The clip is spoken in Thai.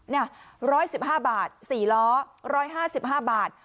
นี่๑๑๕บาท๔ล้อ๑๕๕บาท